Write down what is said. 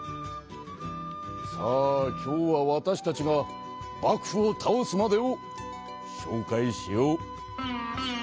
さあ今日はわたしたちが幕府を倒すまでをしょうかいしよう。